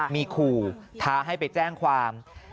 มีขู่ท้าให้ไปแจ้งความ